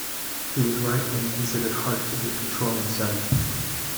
He was right when he considered heart to be a controlling centre.